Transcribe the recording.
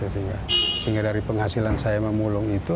sehingga dari penghasilan saya memulung itu